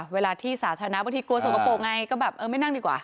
เวลาที่สาธารณะบางทีกลัวสกปรกไงก็แบบเออไม่นั่งดีกว่า